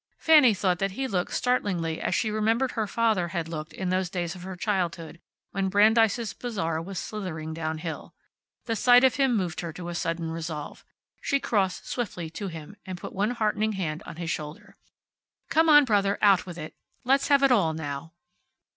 Fanny thought that he looked startlingly as she remembered her father had looked in those days of her childhood, when Brandeis' Bazaar was slithering downhill. The sight of him moved her to a sudden resolve. She crossed swiftly to him, and put one heartening hand on his shoulder. "Come on, brother. Out with it. Let's have it all now."